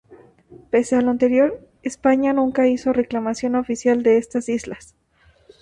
Pese a lo anterior, España nunca hizo reclamación oficial de estas islas.